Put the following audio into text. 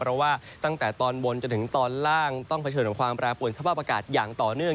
เพราะว่าตั้งแต่ตอนบนจนถึงตอนล่างต้องเผชิญกับความแปรปวนสภาพอากาศอย่างต่อเนื่อง